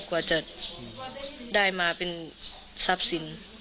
กว่าจะได้มาเป็นทรัพย์สิน